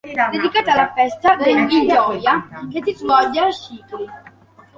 Dedicata alla festa de "Il Gioia" che si svolge a Scicli.